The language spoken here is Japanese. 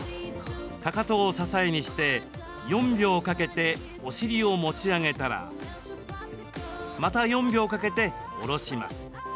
かかとを支えにして４秒かけてお尻を持ち上げたらまた４秒かけて下ろします。